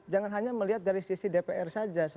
jangan hanya melihat dari sisi dpr saja